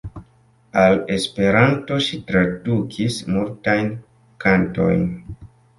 Al Esperanto ŝi tradukis multajn kantojn.